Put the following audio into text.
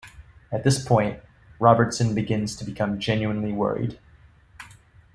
At this point, Robertson begins to become genuinely worried.